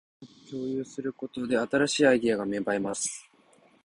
夢を共有することで、新しいアイデアが芽生えます